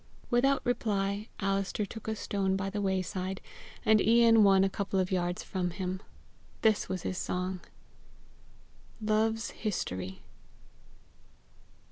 Without reply, Alister took a stone by the wayside, and Ian one a couple of yards from him. This was his song. LOVE'S HISTORY.